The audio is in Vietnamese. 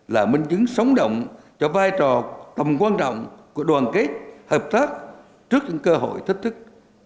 là minh chứng sóng động cho vai trò tầm quan trọng của đoàn kết hợp tác trước những cơ hội thách thức